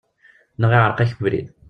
Neɣ iɛereq-ak ubrid!